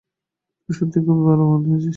তুই সত্যিই খুব ভালো নাচিস।